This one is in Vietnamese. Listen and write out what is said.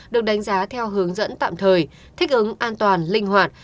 được đánh giá theo hướng dẫn tạm thời thích ứng an toàn linh hoạt